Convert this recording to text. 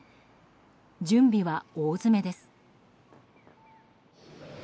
準備は大詰めです。